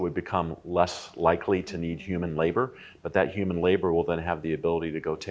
tapi pekerjaan manusia akan memiliki kemampuan untuk menambahkan pekerjaan yang lebih tinggi